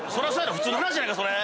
普通の話やないかそれ！